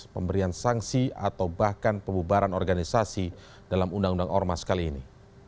pemberian sanksi atau bahkan pembubaran organisasi dalam undang undang ormas kali ini